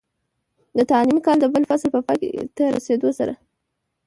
د تعليمي کال د بل فصل په پای ته رسېدو سره،